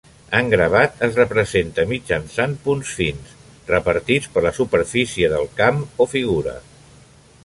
En gravat es representa mitjançant punts fins repartits per la superfície del camp o figura.